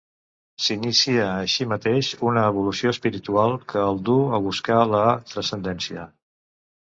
S'inicia així mateix una evolució espiritual que el duu a buscar la transcendència.